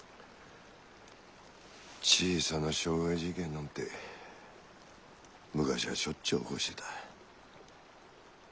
小さな傷害事件なんて昔はしょっちゅう起こしてた。